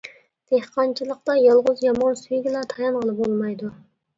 دېھقانچىلىقتا يالغۇز يامغۇر سۈيىگىلا تايانغىلى بولمايدۇ.